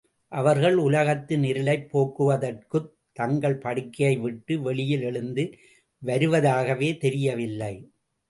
அவர்கள் உலகத்தின் இருளைப் போக்குவதற்குத் தங்கள் படுக்கையை விட்டு வெளியில் எழுந்து வருவதாகவே தெரியவில்லை.